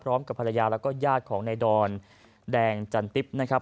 พร้อมกับภรรยาแล้วก็ญาติของนายดอนแดงจันติ๊บนะครับ